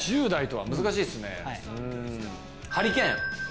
はい。